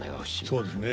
そうですね。